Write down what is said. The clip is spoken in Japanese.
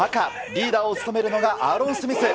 リーダーを務めるのが、アーロン・スミス。